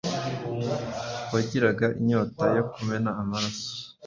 wagiraga inyota yo kumena amaraso.